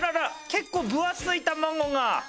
結構分厚い卵が。